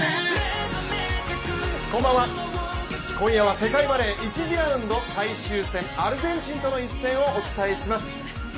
今夜は世界バレー１次ラウンド最終戦、アルゼンチンとの一戦をお伝えします。